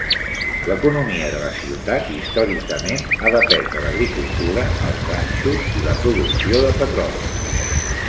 L'economia de la ciutat històricament ha depès de l'agricultura, els ranxos i la producció de petroli.